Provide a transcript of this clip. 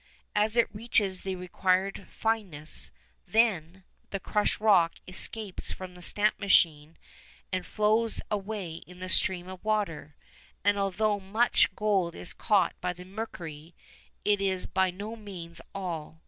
As it reaches the required fineness, then, the crushed rock escapes from the stamp machine and flows away in the stream of water, and although much gold is caught by the mercury, it is by no means all.